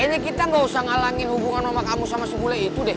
namanya kita gak usah ngalangin hubungan sama kamu sama sebulan itu deh